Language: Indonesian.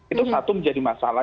itu satu menjadi masalah